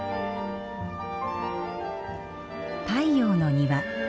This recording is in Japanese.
太陽の庭。